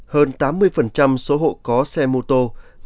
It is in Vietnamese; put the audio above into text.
hơn tám mươi số hộ có xe mô tô